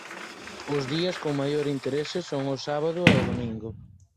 Os días con maior interese son o sábado e o domingo.